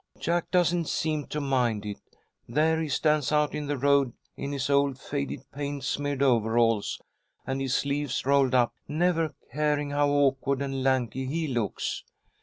"Jack doesn't seem to mind it. There he stands out in the road in his old faded, paint smeared overalls, and his sleeves rolled up, never caring how awkward and lanky he looks.